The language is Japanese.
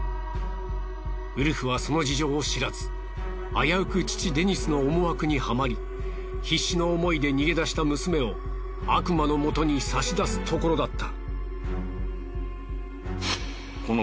ウルフはその事情を知らずあやうく父デニスの思惑にハマり必死の思いで逃げ出した娘を悪魔のもとに差し出すところだった。